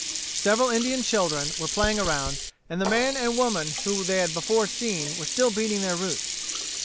Several Indian children were playing around, and the man and woman whom they had before seen were still beating their roots.